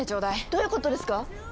どういうことですか